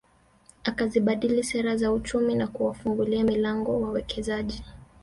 Akazibadili sera za uchumi na kuwafungulia milango wawekezaji